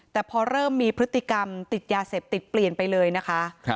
แต่พอเริ่มมีพฤติกรรมติดยาเสพติดเปลี่ยนไปเลยนะคะ